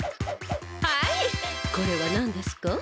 はいこれはなんですか？